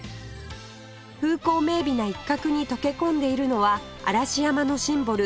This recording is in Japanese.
風光明媚な一角に溶け込んでいるのは嵐山のシンボル